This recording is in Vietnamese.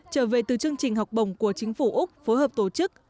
trở về từ chương trình học bồng của chính phủ úc phối hợp tổ chức